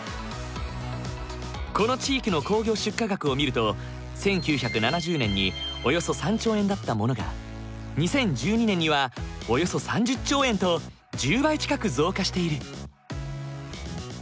この地域の工業出荷額を見ると１９７０年におよそ３兆円だったものが２０１２年にはおよそ３０兆円と１０倍近く増加している。